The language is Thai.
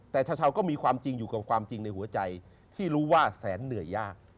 แต่ชาวก็มีความจริงอยู่กับความจริงในหัวใจที่รู้ว่าแสนเหนื่อยยาก